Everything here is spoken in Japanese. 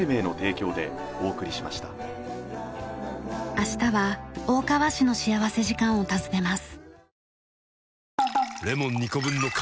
明日は大川市の幸福時間を訪ねます。